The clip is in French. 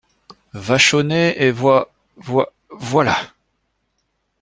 Vachonnet Et voi … voi … voilà !